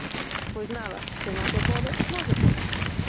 Pois nada, se non se pode, non se pode.